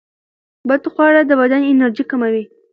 بدخواړه د بدن انرژي کموي.